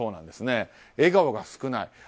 笑顔が少ない！